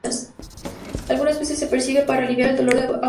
Algunas veces se prescribe para aliviar el dolor en adultos.